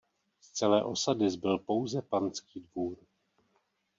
Z celé osady zbyl pouze panský dvůr.